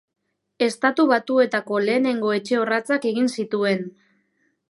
Estatu Batuetako lehenengo etxe orratzak egin zituen.